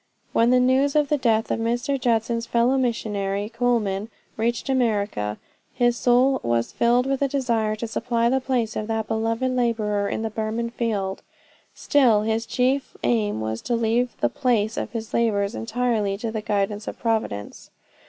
When the news of the death of Mr. Judson's fellow missionary, Colman, reached America, his soul was filled with desire to supply the place of that beloved laborer in the Burman field. Still his chief aim was to leave the place of his labors entirely to the guidance of Providence.